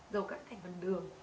dầu các thành phần đường